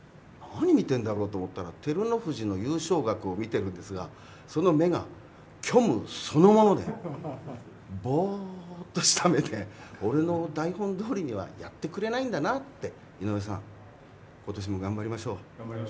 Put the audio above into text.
何見てるの？と思ったら照ノ富士を見てるんですがその目が、虚無そのものでぼーっとした目で俺の台本どおりにはやってくれないんだなって井上さん、ことしも頑張りましょう。